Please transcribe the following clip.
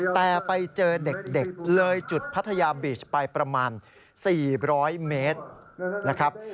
แต่ไปเจอเด็กเลยจุดพัทยาบีชไปประมาณ๔๐๐เมตรนะครับ